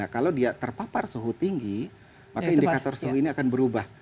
kalau dia terpapar suhu tinggi maka indikator suhu ini akan berubah